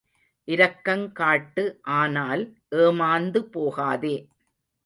இரக்கங் காட்டு ஆனால், ஏமாந்து போகாதே.